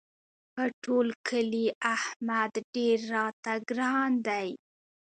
په ټول کلي احمد ډېر راته ګران دی.